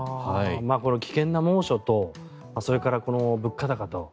危険な猛暑とそれから物価高と。